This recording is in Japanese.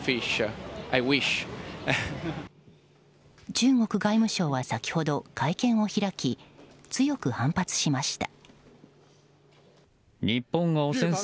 中国外務省は先ほど会見を開き強く反発しました。